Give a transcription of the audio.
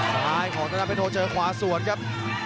ซ้ายของเจ้าหน้าเพชรโธเจอขวาส่วนครับ